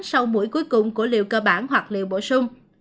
sau mũi cuối cùng của liều cơ bản hoặc liều bổ sung